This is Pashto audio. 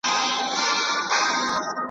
غل په غره کي هم ځای نه لري